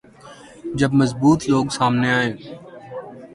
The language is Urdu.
جب مضبوط لوگ سامنے آئیں۔